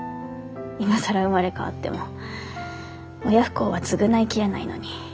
今更生まれ変わっても親不孝は償い切れないのに。